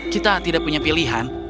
kita tidak punya pilihan